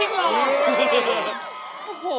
ยิ่งพูดยิ่งหลอก